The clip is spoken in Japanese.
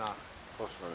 確かに。